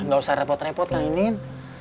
gak usah repot repot kang inin